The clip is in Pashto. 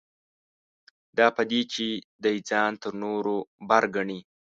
دا په دې چې دی ځان تر نورو بر ګڼي.